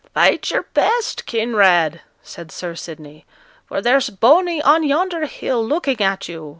'Fight your best Kinraid!' said Sir Sidney; 'for there's Boney on yonder hill looking at you.'